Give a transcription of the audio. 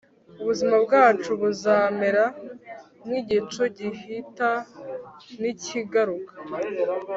ubuzima bwacu buzamera nk’igicu gihita ntikigaruke,